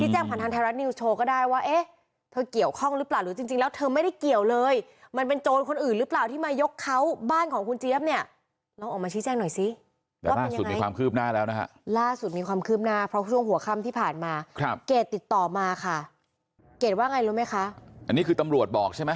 เกรดว่าไงรู้ไหมคะอันนี้คือตำรวจบอกใช่ไหมตำรวจบอกนี่ไงนี่เกรด